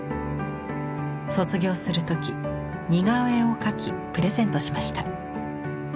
卒業する時似顔絵を描きプレゼントしました。